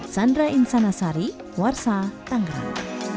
sundra insana sari warsa tangerang